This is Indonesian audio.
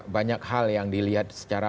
banyak hal yang dilihat secara